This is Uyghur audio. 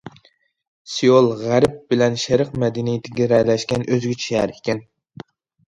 سېئۇل غەرب بىلەن شەرق مەدەنىيىتى گىرەلەشكەن ئۆزگىچە شەھەر ئىكەن.